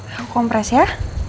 aku kompres ya